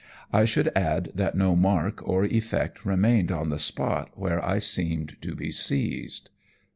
I should add that no mark or effect remained on the spot where I seemed to be seized.